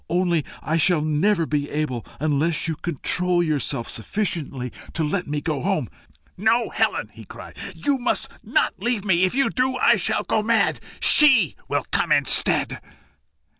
"Only I shall never be able unless you control yourself sufficiently to let me go home." "No, Helen!" he cried; "you must not leave me. If you do, I shall go mad. SHE will come instead."